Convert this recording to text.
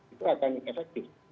itu akan efektif